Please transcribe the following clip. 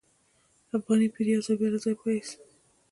افغاني پیر یو ځل بیا له ځایه پاڅېد.